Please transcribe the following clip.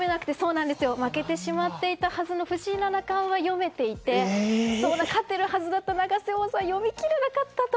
負けてしまっていたはずの藤井七冠は読めていて勝っているはずだった永瀬王座は読み切れなかったと。